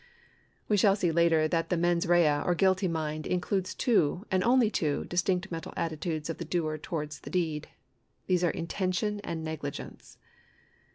We shall see later that the mens rea or guilty mind includes two, and only two, distinct mental attitudes of the doer towards the deed. These are intention and negligence.